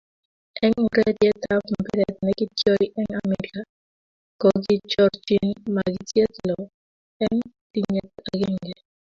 eng ureryetab mpiret nekityori eng Amerika, ko kinyorchini makisiek lo eng tinyet agenge